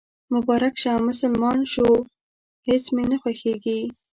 مبارک شه، مسلمان شوېهیڅ مې نه خوښیږي